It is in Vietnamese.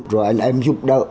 rồi anh em giúp đỡ